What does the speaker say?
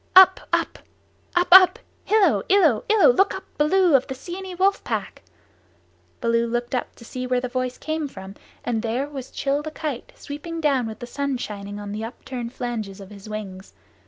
"Up, Up! Up, Up! Hillo! Illo! Illo, look up, Baloo of the Seeonee Wolf Pack!" Baloo looked up to see where the voice came from, and there was Rann the Kite, sweeping down with the sun shining on the upturned flanges of his wings.